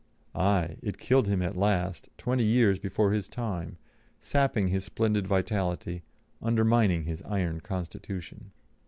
Aye! it killed him at last, twenty years before his time, sapping his splendid vitality, undermining his iron constitution.